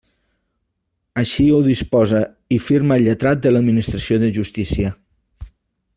Així ho disposa i firma el lletrat de l'Administració de justícia.